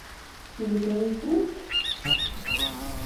Iḍeggeṛ-itent?